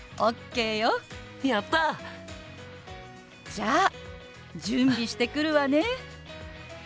じゃあ準備してくるわね。